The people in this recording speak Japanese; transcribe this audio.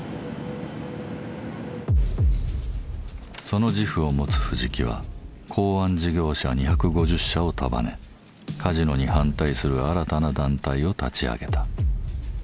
その自負を持つ藤木は港湾事業社２５０社を束ねカジノに反対する新たな団体を立ち上げた。